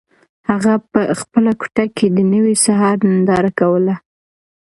هغه په خپله کوټه کې د نوي سهار ننداره کوله.